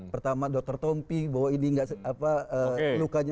pertama dokter tompi bahwa ini nggak lukanya